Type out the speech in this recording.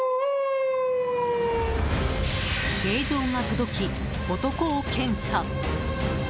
令状が届き、男を検査。